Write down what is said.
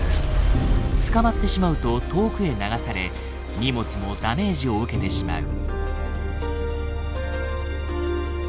捕まってしまうと遠くへ流され荷物もダメージを受けてしまう。